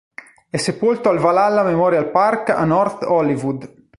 È sepolto al Valhalla Memorial Park a North Hollywood.